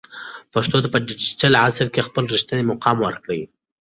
پښتو ته په ډیجیټل عصر کې خپل رښتینی مقام ورکړئ.